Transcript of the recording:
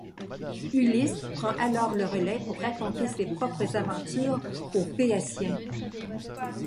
Ulysse prend alors le relai pour raconter ses propres aventures aux Phéaciens.